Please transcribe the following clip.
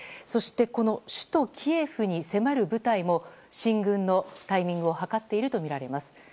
そして、首都キエフに迫る部隊も進軍のタイミングを図っているとみられます。